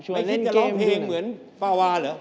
ไม่คิดจะร้องเพลงเหมือนฟาวาเหรอ